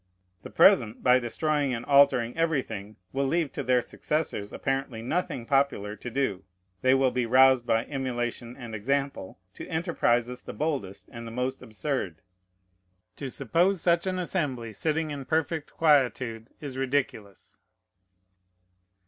The present, by destroying and altering everything, will leave to their successors apparently nothing popular to do. They will be roused by emulation and example to enterprises the boldest and the most absurd. To suppose such an Assembly sitting in perfect quietude is ridiculous.